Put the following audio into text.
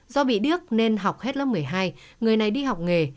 do bị điếc nên học hết lớp một mươi hai người này đi học nghề